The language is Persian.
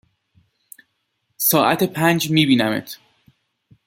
ساعت پنج می بینمت